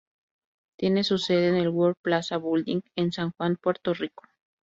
Tiene su sede en el World Plaza Building en San Juan, Puerto Rico.